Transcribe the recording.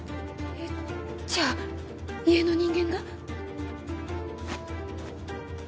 えっじゃあ家の人間が？